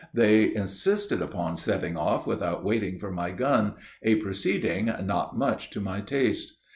They insisted upon setting off without waiting for my gun, a proceeding not much to my taste.